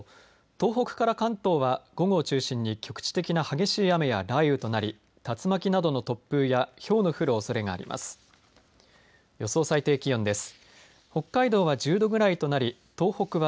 東北から関東は午後を中心に局地的な激しい雨や雷雨となり竜巻などの突風やひょうの降るおそれがあります。